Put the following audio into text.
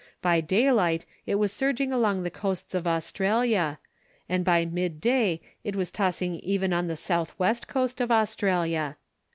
By daylight it was surging along the coasts of Australia, and by mid day it was tossing even on the southwest coast of Australia.